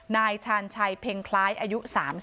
นายชาญชัยเพ็งคล้ายอายุ๓๒